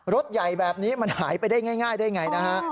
รถใหญ่แบบนี้มันหายไปได้ง่ายได้ไงนะฮะ